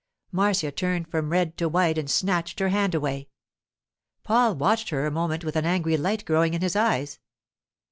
Marcia turned from red to white and snatched her hand away. Paul watched her a moment with an angry light growing in his eyes.